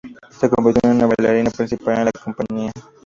Se convirtió en una bailarina principal en la compañía.